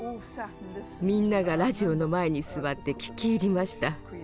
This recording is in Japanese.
みんながラジオの前に座って聴き入りました。